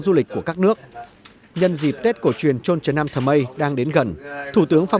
du lịch của các nước nhân dịp tết cổ truyền trôn trấn nam thờ mây đang đến gần thủ tướng phạm